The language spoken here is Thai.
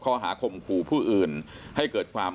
ข้อหาคมขู่ผู้อื่นให้เกิดความ